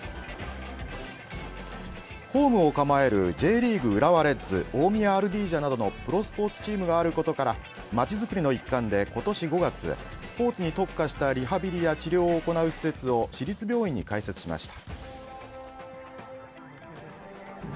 ホームを構えるＪリーグ、浦和レッズ大宮アルディージャなどのプロスポーツチームがあることからまちづくりの一環で今年５月、スポーツに特化したリハビリや治療を行う施設を市立病院に開設しました。